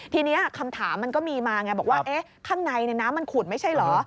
ทีนี้คำถามมันก็มีมาไงบอกว่าข้างในน้ำมันขุดไม่ใช่เหรอ